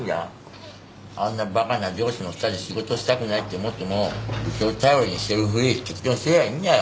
あんなバカな上司の下で仕事したくないって思っても部長頼りにしてるふり適当にしてりゃいいんだよ。